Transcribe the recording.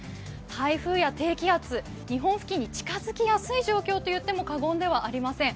台風や低気圧、日本付近に近づきやすいという状況と言っても過言ではありません。